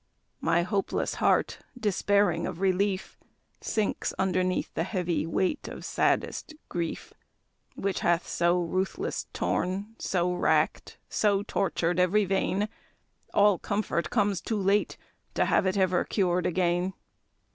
My hopeless heart, despairing of relief, Sinks underneath the heavy weight of saddest grief; Which hath so ruthless torn, so racked, so tortured every vein, All comfort comes too late to have it ever cured again.